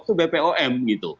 itu bpom gitu